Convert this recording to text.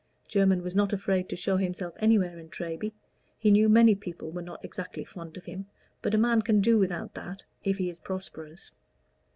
Jermyn was not afraid to show himself anywhere in Treby. He knew many people were not exactly fond of him, but a man can do without that, if he is prosperous.